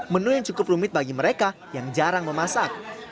menu yang cukup rumit bagi mereka yang jarang memasak